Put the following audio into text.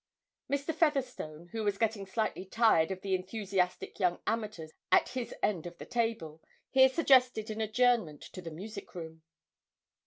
Mr. Featherstone, who was getting slightly tired of the enthusiastic young amateurs at his end of the table, here suggested an adjournment to the music room.